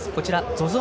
ＺＯＺＯ